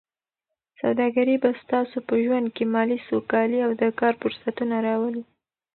سوداګري به ستاسو په ژوند کې مالي سوکالي او د کار فرصتونه راولي.